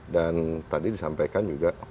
dan tadi disampaikan juga